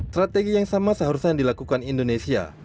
strategi yang sama seharusnya dilakukan indonesia